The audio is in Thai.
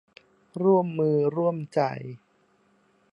ร่วมมือร่วมใจ